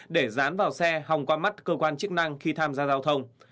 để dán vào xe hòng qua mắt cơ quan chức năng khi tham gia giao thông